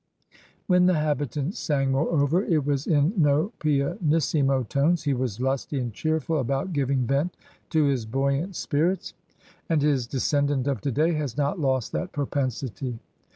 When the habitant sang, moreover, it was in no pianissimo tones; he was lusty and cheerful about giving vent to his buoyant spirits. And HOW THE PEOPLE LIVED 221 his descendant of today has not lost that propensity.